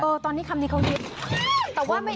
เออตอนนี้คำที่เขายิน